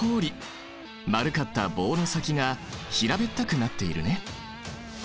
丸かった棒の先が平べったくなっているね。